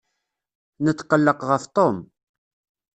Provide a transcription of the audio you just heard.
Netqelleq ɣef Tom.